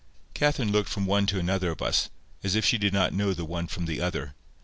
Catherine looked from one to another of us, as if she did not know the one from the other.